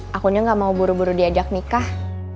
akunya gak mau buru buru diajak nikah